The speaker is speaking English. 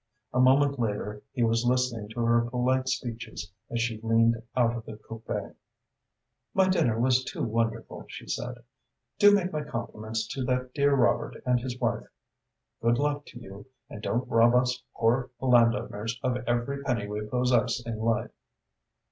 A moment later he was listening to her polite speeches as she leaned out of the coupé. "My dinner was too wonderful," she said. "Do make my compliments to that dear Robert and his wife. Good luck to you, and don't rob us poor landowners of every penny we possess in life."